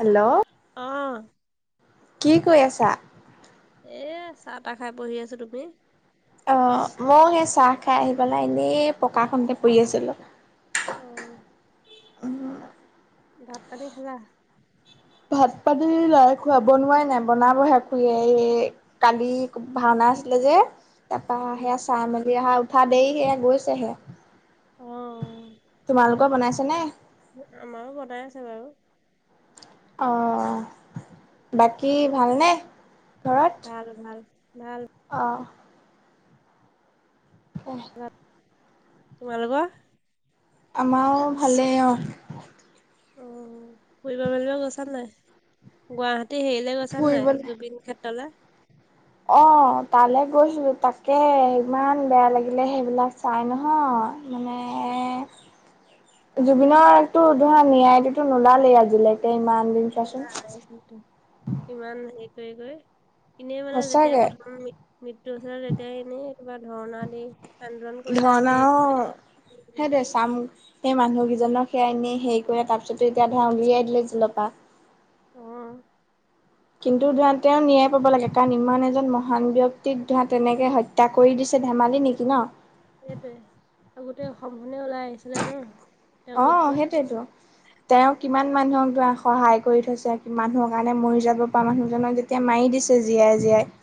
Hello, অঁ, কি কৰি আছা। এ চাহ তাহ খাই বহি আছো তুমি, অঁ মও সেই চাহ খাই আহি পেলাই এনেই পকাখনতে পৰি আছিলোঁ। অ ভাত-পানী খালা। ভাত-পানী নাই খোৱা বনোৱাই নাই বনাব'হে এই কালি ভাওনা আছিলে যে- তাৰপা উম সেয়া চাই-মেলি আহা উঠা দেৰি হে গৈছেহে। অঁহ। তোমালোকৰ বনাইছে নে। আমাৰো বনাই আছে বাৰু অঁ বাকী ভাল নে। ঘৰত ভাল ভাল ভাল অ, [unintelligible] তোমালোকৰ। আমাও ভালেই অ, অ ফুৰিব মেলিব গৈছা নাই গুৱাহাটী হেৰিলে গৈছা নাই ফুৰিবলে জুবিন ক্ষেত্ৰ তলে, অ তালৈ গৈছো তাকে ইমান বেয়া লাগিলে সেইবিলাক চাই নহয়। মানে, জুবিনৰটো ধৰা নিয়ায়টোতো নোলালেই আজিলৈকে ইমান, দিন চোৱাচোন। নোলালে ইমান হেৰি কৰি কৰি। এনেই মানে যেতিয়া সঁচাকে প্ৰথম মৃত্যু হৈছিল তেতিয়া এনে কিবা ধৰ্ণা দি। আন্দোলন কৰিলে আও এতিয়া সেই দে চাম সেই মানুহকেইজনক সেয়াই নি হেৰি কৰে তাৰপিছত এতিয়া ধৰা উলিয়াই দিলে জেলপা। উম, কিন্তু ধৰা তেওঁ ন্যায় পাব লাগে কাৰণ ইমান এজন মহান ব্যক্তিক ধৰা তেনেকে হত্য ত্যা কৰি দিছে ধেমালি নেকি ন। সেইটোৱে আৰু গোটেই অসমখনে ওলাই আহিছিলে ন। তেওঁৰ অ মৃত্যুত সেইটোয়েতো তেওঁ কিমান মানুহক ধৰা সহায় কৰি থৈছে কিমানক, সেইকাৰণে মৰি যাব পৰা মানুহজনক যেতিয়া মাৰি দিছে জীয়াই জীয়াই।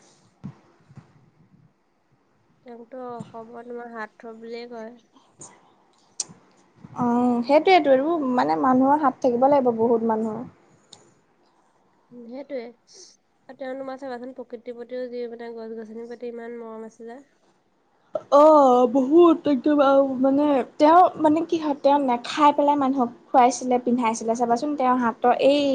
তেওঁকতো অসমত মান হাৰ্টথ্ৰব বুলিয়ে কয়। উম সেইটোয়েতো আৰু মানে মানুহৰ হাত থাকিব লাগিব বহুত মানুহৰ। উম সেইটোৱে। আৰু তেওঁলোকৰ চাবাচোন প্ৰকৃতিৰ প্ৰতিও যি মানে গছ গছনিৰ প্ৰতি ইমান মৰম আছিলে। অ' বহুত একদম মানে তেওঁ মানে কি হয় তেওঁ নাখাই পেলাই মানুহক খুৱাইছিলে পিন্ধাইছিলে চাবাচোন। তেওঁৰ হাতৰ এই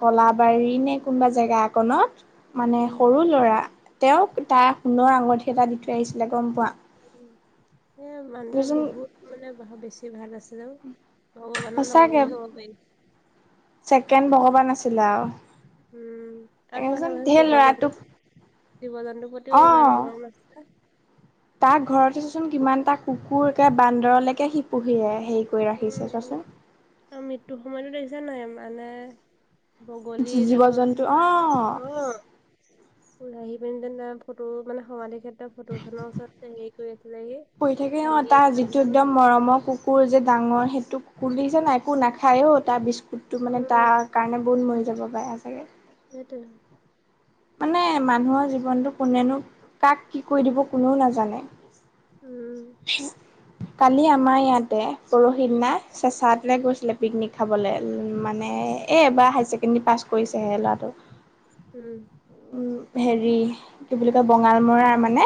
কলাবাৰী নে কোনোবা জেগা অকনত মানে উম সৰু ল'ৰা তেওঁক তাৰ সোণৰ আঙুঠি এটা দি থৈ আহিছিলে গম পোৱা? এ মানুহজন যোন বহুত মানে ব বেছি ভাল আছিলে অ। ভগৱানৰ লগৰ সঁচাকে বুলিয়েই ক'ব পাৰি। ছেকেণ্ড ভগৱান আছিলে আৰু। উম আৰু তোমাৰ তাৰপিছত চাবাচোন সেই জীৱ ল'ৰাটোক জন্তু, জীৱ জন্তু প্ৰ তিও ইমান মৰম আছে। তাক ঘৰতে চা চোন কিমানটা কুকুৰকে বান্দৰলেকে সি পুহিলে হেৰি কৰি ৰাখিছে চোৱা চোন। আও মৃত্যুৰ সময়তো দেখিছা নাই মানে বগলী জীৱ তাষত জন্তু অ', তোমাৰ অ' ওলাই আহি পিনে তেনে ফটো মানে সমাধি ক্ষেত্ৰত ফটো খনৰ ওচৰত হেৰি কৰি আছিলেহি কান্দি থকা নিচিনা অ' গৰমৰ কুকুৰ যে ডাঙৰ সেইটো কুলি যে না একো নাখায় অ তাৰ বিস্কুটটো অ মানে উম তাৰ কাৰণে বুন মৰি যাব পাৰে সঁচাকে। সেইটোৱে হয়। মানে মানুহৰ জীৱনটো কোনেনো কাক কি কৰি দিব কোনেও নাজানে। উম। কালি আমাৰ ইয়াতে পৰহি দিনা চেচাত গৈছিলে পিকনিক খাবলৈ মানে এ এইবাৰ হায়াৰ ছেকেণ্ডেৰী পাছ কৰিছেহে ল'ৰাটো। উম। উম হেৰি কি বুলি কয় বঙালমৰাৰ মানে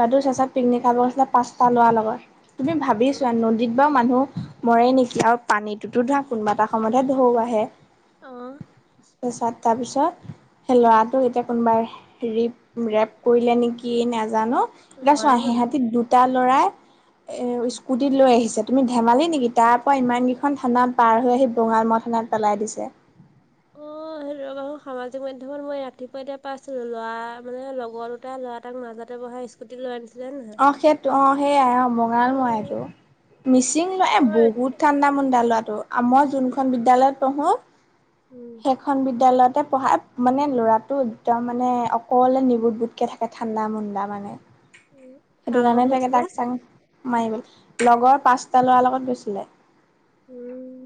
তাতো চেচাত পিকনিক খাবলে গৈছিলে পাঁচটা লৰাৰ লগত, তুমি ভাবি অ চোৱা নদীত বাৰু মানুহ মৰে নেকি আৰু পানীটোতো ধৰা কোনোবা এটা সময়তহে ঢৌ আহে। অ' চেচাত তাৰপিছত হে লৰা- ৰিপ, ৰেপ কৰিলে নেকি নাজানো। এতিয়া লৰা চোৱা মানুহ হেহতি দুটা ল'ৰাই উম স্কু- টিত লৈ আহিছে। তুমি ধেমালি নেকি তাৰ পৰা ইমানকেইখন থানাত পাৰ হৈ আহি বঙালমৰা থানাত পেলাই দিছে। অ' সামাজিক মাধ্যমত মই ৰাতিপুৱা এতিয়া পাইছিলো ল'ৰা মানে লগৰ দুটা লৰা তাক মাজতে বহাই স্কু- অ' সেইটো, অ সেইয়াই অ বঙালমৰা এইটো মিচিং লয়, এ ওচৰৰে বহুত তেতিয়াহ'লে ঠাণ্ডা মুণ্ডা লৰাটো মই যোনখন বিদ্যালয়ত পঢ়ো উম। সেইখন বিদ্যালয়তে পঢ়া। মানে ল'ৰাটো একদম মানে অকলে নিবোট বোটকে থাকে। ঠাণ্ডা-মুণ্ডা মানে। উম সেইটো কাৰ লগত কাৰণে তাকে গৈছিলে? তাক চাং মাৰি গ'ল লগৰ পাঁচটা লৰা লগত গৈছিলে। উম।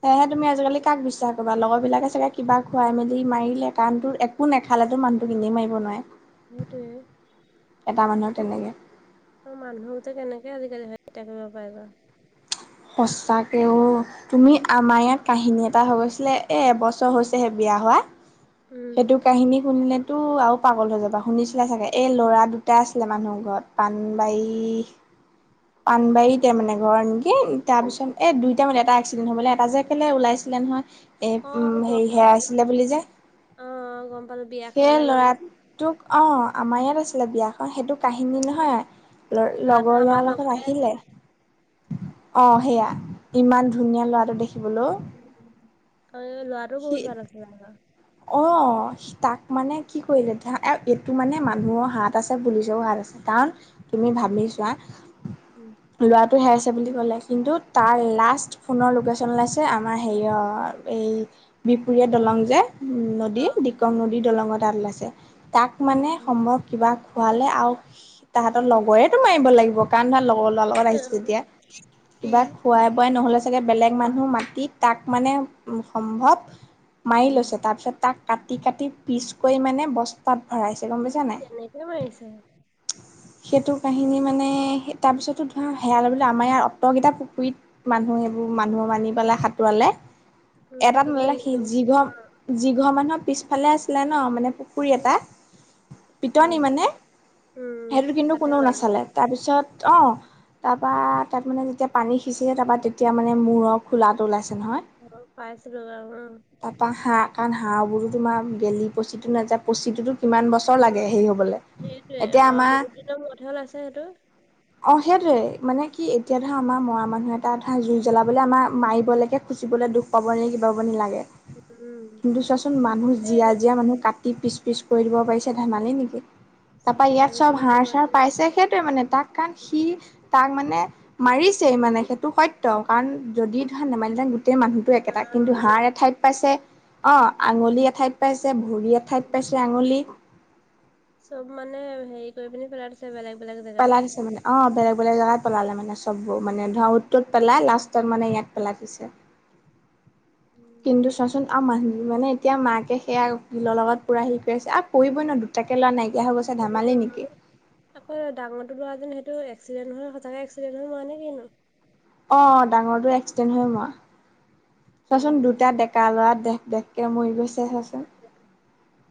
সেয়েহে তুমি আজিকালি কাক বিশ্বাস কৰিবা লগৰবিলাকে চাগে কিবা খুৱাই মেলি মাৰিলে কাৰণটোৰ এ- কো নেখালেতো মানুহটোক এনেই মাৰিব নোৱাৰে। সেইটোৱে। এটা মানুহ তেনেকে। আৰু মানুহক যে কেনেকে আজিকালি হত্যা কৰিব পাৰে বাৰু। সঁচাকে অ। তুমি, আমাৰ ইয়াত কাহিনী এটা হৈ গৈছিলে এ এবছৰ হৈছেহে বিয়া হোৱা। উম সেইটো কাহিনী শুনিলেতো আৰু পাগল হৈ যাবা শুনিছিলা চাগে? ঠিক এই আছে ল'ৰা যাম। দু- টা আছিলে মানুহৰ ঘৰত পাণবাৰী, পানবাৰীতে মানে ঘৰ নেকি? তাৰপিছত এ দুইটা মান এটা এক্সিডেণ্ট হৈ মৰিলে এটা যে কেলে ওলাইছিলে নহয়। এই অ উম গম হেৰি পালো হেৰাইছিলে বুলি যে। অ গম পালো বিয়া সেই খাবলৈ গৈ লৰা- যে টোক অ আমাৰ ইয়াত আছিলে বিয়া অ, সেইটো কাহিনী নহয় ল, ল'ৰাটো লগৰ আমাৰ লৰাৰ লগত লগৰে আহিলে আছিলে অ সেইয়া ইমান ধুনীয়া ল'ৰাটো দেখিবলো। এ লৰাটো বহুত ভাল আছিলে অ। তাক মানে কি কৰিলে। এইটো মানে মানুহৰ হাত আছে পুলিচৰো হাত আছে কাৰণ- তুমি ভাবিছোৱা উম। লোৱা টো হেৰাইছে বুলি ক'লে কিন্তু তাৰ লাষ্ট ফোনৰ লোকেশ্যন আছে আমাৰ হেৰিয় এই বিপুৰীয়া দলং যে নদী, অ দিকম নদী উম, দলঙৰ তাত ওলাইছে। তাক উম, মানে উম। সম্ভৱ কিবা খোৱালে আৰু তাহতৰ লগৰেতো মাৰিব লাগিব কান ধৰা লগৰ লৰা লগত সেইটোৱে আহিছে আৰু। যেতিয়া কিবা উম খোৱাই বোৱাই নহলে চাগে বেলেগ মানুহ মাতি তাক মানে উ সম্ভৱ মাৰি উম, লৈছে তা- তাক কাটি-কাটি পিচ কৰি মানে বস্তাত ভৰাইছে। গম পাইছ তেনেকে মাৰিছে। [inaudible] সেইটো কাহিনী মানে তাৰপিছতো ধৰা সেয়া লবো আমাৰ ইয়াৰ অটকেইটা পুখুৰীত মানুহ সেইবোৰ মানুহ মানি পেলাই সাঁতোৱালে উম এটাত কিন্তু নলে সি সেইজন অ যিঘৰ যিঘৰ মানুহৰ পিছফালে আছিলে ন' মানে পুখুৰী এটা উম পিটনি মানে উম সেইটোত কিন্তু তাতে কোনোও ওলালে নাচালে। তাৰপিছত অ তাপা তাত মানে যেতিয়া পানী সিঁচিলে তাৰপৰা তেতিয়া মানে মূৰৰ খোলাটো ওলাইছে নহয়। মইও পাইছিলোঁ বাৰু ওম তাপা হাড়, কাৰণ হাড়বোৰো তোমাৰ গেলি পচি নাযায় পচিটোতো কিমান অ বছৰ লাগে হেৰি হ'বলে। সেইটোৱে এতিয়া অ আমাৰ বহুত দিনৰ মূৰত হে ওলাইছে সেইটো। অ, সেইটোৱে মানে কি এতিয়া ধৰা আমাৰ মৰা মানুহে এটা ধৰা জুই জ্বলাবলে আমাৰ মাৰিবলৈকে খুচিবলে দুখ পাব নে কিব পাব নে লাগে উম কিন্তু চোৱাচোন মানুহ তেনেকেই জীয়া - লৈছে জীয়া বাৰু মানুহ কাট পিচ -পিচ কৰি দিব পাৰিছে ধেমালি নেকি? তাপা সঁচাকে ইয়াত চব আজিকালি হাড় যুগত চাৰ যে পাইছে সেইটোৱে মানে তাক কাৰণ সি উম, তাক মানে মাৰিছেই মানে সেইটো সত্য কাৰণ যদি ধৰা নেমাৰিলে হেতেন গো গোটেই মানুহতো আ, একেটা কিন্তু নোলালে হাড় এঠাইত পাইছে অ আঙুলি এঠাইত পাইছে ভৰি এ ঠাইত পাইছে আঙুলি। চব মানে হেৰি কৰি পিনি পেলাই দিছে বেলেগ - বেলেগ জেগাত। পেলাই দিছে মানে অ, বেলেগ - বেলেগ জেগাত পেলালে মানে চববো মানে ধাওত টোত পেলাই লাষ্টত মানে ইয়াত পেলাই দিছে। কিন্তু চোৱাচোন আঔ মানুহ মানে এতিয়া মাকে সেয়া বিলৰ লগত পুৰা শিকাইছে আৰু পৰিবই ন দুটাকে লৰা নাইকিয়া হৈ গৈছে। পৰিব ধেমালি অ নেকি আকৌ ডাঙৰটো ল'ৰা যেন সেইটো এক্সিডেণ্ট হয় সচাকৈ এক্সিডেণ্ট হৈ মৰা নাই কিন্তু অ, ডাঙৰটোৰ এক্সিডেণ্ট হয় মৰা। চোৱাচোন দুটা ডেকা ল'ৰা দেখ দেখকে মৰি গৈছে চাচোন। সঁচাকে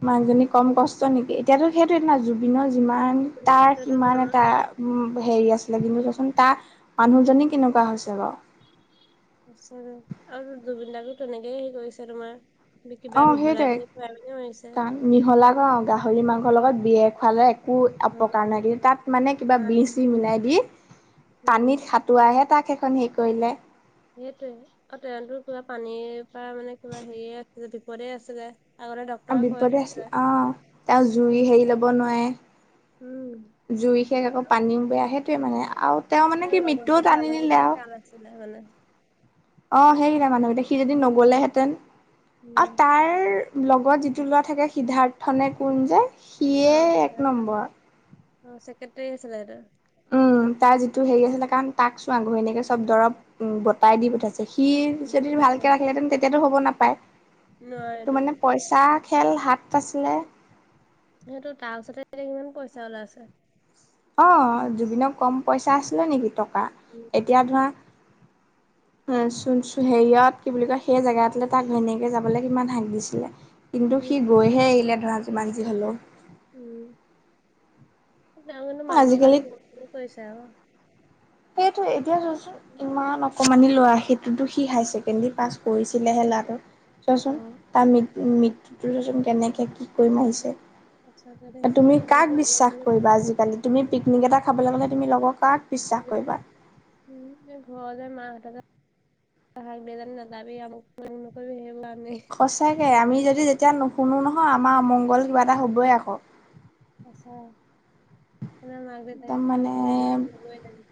মাকজনী কম কষ্ট নেকি এতিয়াতো সেইটো ন জুবিনৰ যিমান তাৰ কিমান এটা উম, হেৰি আছিলে কিন্তু চোৱাচোন তাৰ মানুহজনী কেনেকুৱা হৈছে বাৰু। আছে আৰু জুবিন দাকো তেনেকে হেৰি কৰিছে তোমাৰ অ কিবা মিহলাই পি সেইটোৱে খোৱাই পিনি মাৰিছে। কাৰণ মিহলা ন গাহৰি মাংসৰ লগত বিয়েৰ খোৱালে। একোপকাৰ নাই কিন্তু তাত মানে কিবা নাই বিহ চি মিলাই দি পানী উম তোৱাহে তাক এখন হেৰি কৰিলে। সেইটোৱে আৰু টনতো কিবা পানীৰ পৰা মানে কিবা হেৰিয়ে আছে বিপদে আছে যে। বিপদে আছিলে অ, তেও জুই হেৰি লব নোৱাৰে। উম জুই শেষ আকৌ পানী বেয়া সেইটোৱে মানে আৰু তেওঁ মানে কি মৃত্যুও লগৰ টানি মানুহ নিলে গোটাই আৰু কাম আছিলে মানে। অ, সেইকেইটা মানুহকেইটা সি যদি নগলে হেতেন উম আৰু তাৰ লগত যিটো ল'ৰা থাকে সিদ্ধাৰ্থনে কোন যে অ সিয়ে এক সিদ্ধাৰ্থ নম্বৰ অ চেক্ৰেটাৰী আছিলে তেওঁৰ। উম, তাৰ যিটো হেৰি আছিলে কাৰণ তাক চোৱা ঘৈনীয়েকে চব দৰব উম গোতাই দি পঠাইছিলে। সি দি যদি পঠাইছে ভালকে মানে। ৰাখিলেহেতেন তেতিয়াতটো হ'ব নাপায় ত নোৱাৰেতো মানে পইচা খেল হাত আছিলে। সেইটো তাৰ পাছতে এতিয়া কিমান পইচা ওলাই আছে। অ, জুবিনৰ কম পইচা আছিলে নেকি টকা উম এতিয়া ধৰা চ হেৰিয়ত কি বুলি কয় সেই জেগাতলে তাক ঘৈনীয়োকে যাবলৈ কিমান হাক দিছিলে। কিন্তু দি সি পঠাব গৈ হে এৰিলে ধৰা যিমান যি হ'লেও, উম গাঁও মানুহৰ কাৰণে আজিকালি বহুতখিনি কৰিছে আৰু সেইটো য়ে এতিয়া চোৱাচোন ইমান অকণমানি ল'ৰা সেইটোতো সি হাইচেকেণ্ডেৰী পাছ কৰিছিলেহে ল'ৰাটো অ চোৱাচোন তাৰ মি মৃত্যুটো চোন কেনেকে কি কৰি মাৰিছে। সঁচাকে দেই তুমি কাক আজিকালি বিশ্বাস মানুহবোৰে কৰিবা আজিকালি। তুমি পিকনিক এটা খাবলৈ গ'লে তুমি লগৰ কাৰ বিশ্বাস কৰিবা উম, ঘৰৰ যায় মা হতে যায়। তাক দেজানি নাযাবি আম ম নকৰিবি সেইবোৰ আমি [unintelligible] সঁচাকৈ আমি যদি যেতিয়া নুশুনো নহয় আমাৰ অমংগল কিবা এটা হ'বই আকৌ। সচা মাক একদম দেউতাকে কোৱা মানে কথাটো গুৰুত্ব দিবই লাগে।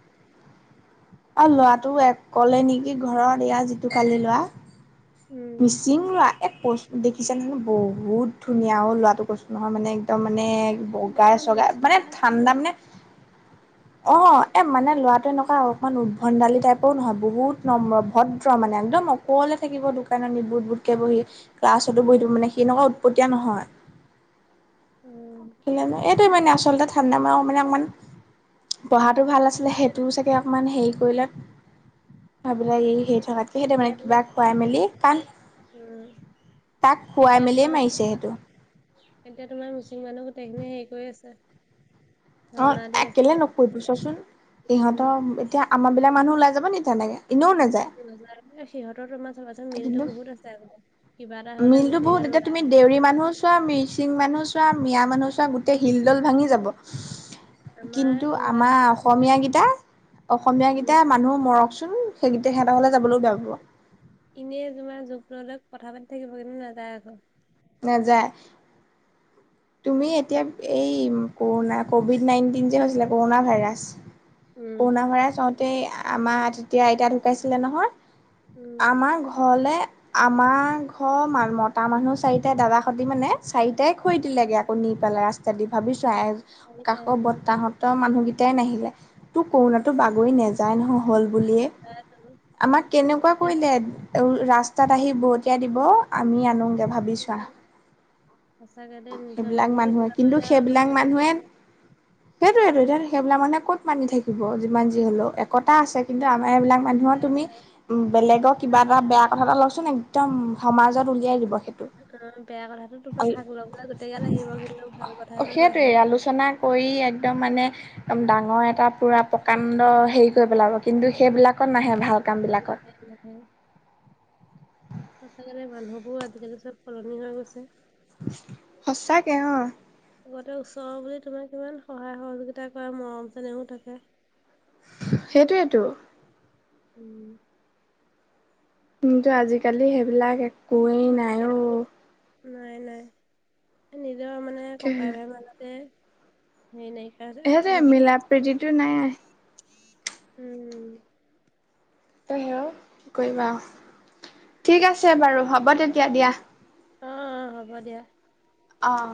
অ, লৰাটো কলে নেকি ঘৰত এয়া যিটো কালি লৰা। উম, চিং লোৱা এক কচু দেখিছোনে বহুত ধুনীয়া অ, লৰাটো কৈছো নহয় মানে। দম মানে বগাই মই চগাই নিউজটো মানে পাইছিলো ঠাণ্ডা মানে অ' এ মানে ল'ৰাটো এনেকুৱা কিন্তু অকণমান উদ্ভণ্ডালি টাইপৰও নহয় বহুত নম্ৰ, ভদ্ৰ মানে একদম অকলে থাকিব দোকানত নি বুট বুটকৈ বহি। ক্লাছতো বহি মানে সি নহয় উৎপতিয়া নহয়। উম এইটোৱে মানে আচলতে ঠাণ্ডা মান মানে অকমান, পঢ়াটো ভাল আছিলে সেইটোৱে। সেইটোও চাগে অকণমান হেৰি কৰিলত ভাবিলে ই সি এতিয়া থকাতকে সেইটো মানে এতিয়া কিবা খুৱাই মেলি কাণ উম তাক খুৱাই এতিয়া মেলিয়ে তোমাৰ মাৰিছে সেইটো। এতিয়া তোমাৰ মুছলিম গোটেই খিনিয়ে হেৰি কৰি আছে। অঁ ধৰ্ণা দি এ আছে কেলে নকৰিব চোৱা চোন উম সিহঁতৰ এতিয়া, আমাৰ বিলাক মানুহ ওলাই যাব নি তেনেকে এনেও নাযায়। সিহঁতৰ তোমাৰ চাবাচোন মিলটো বহুত আছে আকৌ। কিবা এটা হলে মিলতটো গোটেই বহুত গাল এতিয়া ওলাই তুমি আহে দেউৰী মানুহ চোৱা, মিৰ্চিং মানুহ চোৱা, মিয়া মানুহ চোৱা, গোটেই শিলডল ভাঙি যাব। আমাৰ কিন্তু কোনোবা এটা আমাৰ অসমীয়া গিটা অসমীয়া উম কেইটা মানুহ মৰকচোন। সেইকেইটা সিহঁতক ঘৰলে যাবলৈ বেয়া পাব। এনেই তোমাৰ জোব লৈ লৈ কথা পাতি থাকিব কিন্তু নাযায় আকৌ। নাযায়। তুমি এতিয়া এই কৰোণা, কভিড নাইণ্টিন যে হৈছিলে কৰোণা ভাইৰাছ, উম কৰোণা ভাইৰাছ হওঁতেই আমাৰ তেতিয়া আইতা ঢুকাইছিলে নহয়, উম আমাৰ ঘৰলে আমাৰ ঘৰ মান মতা মানুহ চাৰিটাই দাদাহঁতি মানে চাৰিটাই খৰি দিলেগে আকৌ নি পেলাই ৰাস্তা দি ভাবি চোৱা, সেইটাই, কাষৰ উম, বৰ্তাহতৰ মানুহকেইটাই নাহিলে। তোৰ কৰোণাটো বাগৰি নাযায় নহয় হ'ল বুলিয়েই, নাযায় তো। আমাক কেনেকুৱা তেনে কৰিলে, ৰাস্তাত আহি বৰোতিয়া দিব আমি আনোংগে ভাবি চোৱা। সঁচাকে দে নিজৰ সেইবিলাক মানুহে তেনেকুৱা কিন্তু কৰিলে আৰু লোকে নো কি ক'ব। সেইটোয়েটো এতিয়া সেইবিলাক মানুহে ক'ত মানি থাকিব, যিমান যি হ'লেও একতা আছে, কিন্তু আমাৰ এইবিলাক মানুহৰ সঁচা তুমি- সঁচা। উম' বেলেগক কিবা এটা নাই বেয়া কথা এটা ওলাকচোন একদম সমাজত উলিয়াই দিব সেইটো। অ' বেয়া কথাটো তো পৰা ভাগ ল'বলে গোটেই গাল আহিব, কিন্তু ভাল কথা হ'লে সেইটোৱে নাহে। আলোচনা কৰি একদম মানে একদম উম, ডাঙৰ এটা পূৰা প্ৰকাণ্ড হেৰি কৰি পেলাব কিন্তু সেইবিলাকত নাহে ভাল। কামবিলাকত। নাহে নাহে। সচাকে দে মানুহবোৰ আজিকালি চব সলনি হৈ গৈছে। সচাকে অ' আগতে ওচৰৰ বুলি তোমাৰ কিমান সহায় সহযোগিতা কৰা মৰম চেনেও থাকে। সেইটোৱেইটো, উম। কিন্তু আজিকালি সেইবিলাক একোৱেই নাই নাইকিয়া অ। হৈ গ'ল। নাই নাই। নিজৰ মানে, ককাই ভাই মাজতে সেই নাই। সেইটোয়ে মিলা-প্ৰীতিটো নাই। উম' তাকেহে অ কি কৰিবা, ঠিক আছে বাৰু হ'ব তেতিয়া দিয়া। অ' অ' হ'ব দিয়া। অ'